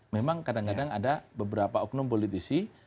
memang kadang kadang ada beberapa oknum politisi